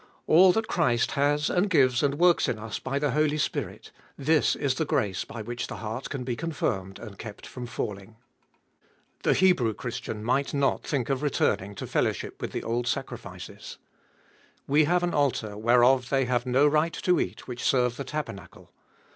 All that Christ has and gives and works in us by the Holy Spirit— this is the grace by which the heart can be con firmed, and kept from falling. The Hebrew Christian might not think of returning to 34 530 Ube tooliest of BU fellowship with the old sacrifices. We have an altar, whereof they have no right to eat, which serve the tabernacle.